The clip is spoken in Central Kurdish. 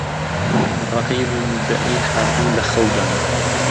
ڕەقیب و موددەعی هەردوو لە خەودان